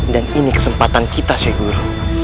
dan ini kesempatan kita syekh guru